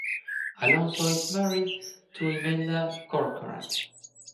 Alonso is married to Imelda Corcoran.